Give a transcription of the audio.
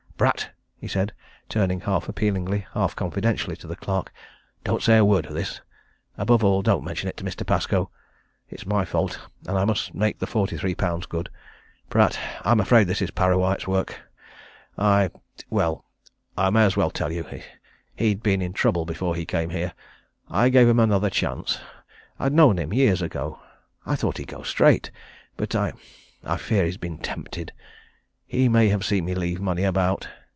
"Pratt!" he said, turning half appealingly, half confidentially to the clerk. "Don't say a word of this above all, don't mention it to Mr. Pascoe. It's my fault and I must make the forty three pounds good. Pratt, I'm afraid this is Parrawhite's work. I well, I may as well tell you he'd been in trouble before he came here. I gave him another chance I'd known him, years ago. I thought he'd go straight. But I fear he's been tempted. He may have seen me leave money about.